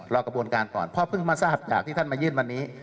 กระบวนการก่อนเพราะเพิ่งมาทราบจากที่ท่านมายื่นวันนี้